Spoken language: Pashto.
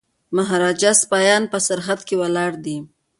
د مهاراجا سپایان په سرحد کي ولاړ دي.